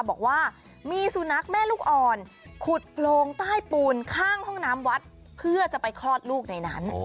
บอกว่ามีสุนัขแม่ลูกอ่อนขุดโพรงใต้ปูนข้างห้องน้ำวัดเพื่อจะไปคลอดลูกในนั้น